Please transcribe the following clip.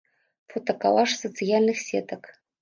Фотакалаж з сацыяльных сетак.